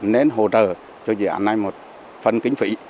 nên hỗ trợ cho dự án này một phần kính phỉ